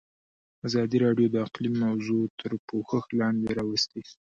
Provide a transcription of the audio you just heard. ازادي راډیو د اقلیم موضوع تر پوښښ لاندې راوستې.